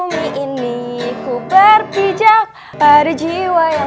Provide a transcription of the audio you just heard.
misi ketiga ya